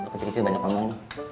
kecil kecil banyak panggung nih